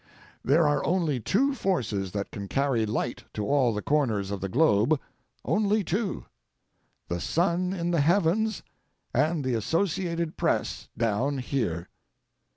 There are only two forces that can carry light to all the corners of the globe—only two—the sun in the heavens and the Associated Press down here.